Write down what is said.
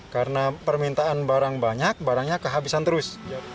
karena permintaan barang banyak barangnya kehabisan terus